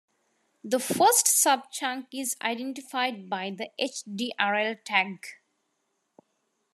The first sub-chunk is identified by the "hdrl" tag.